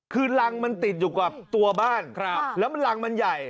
คือรังมันติดอยู่กับตัวบ้านแล้วมันรังมันใหญ่